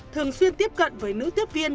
thường xuyên tiếp cận với nữ tiếp viên